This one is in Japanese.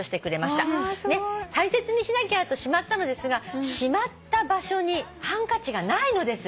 「大切にしなきゃとしまったのですがしまった場所にハンカチがないのです」